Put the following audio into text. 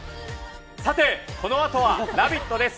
さてこのあとは「ラヴィット！」です。